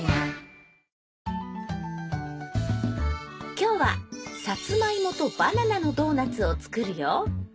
今日はさつまいもとバナナのドーナツを作るよ。